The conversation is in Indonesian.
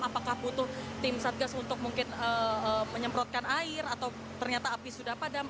apakah butuh tim satgas untuk mungkin menyemprotkan air atau ternyata api sudah padam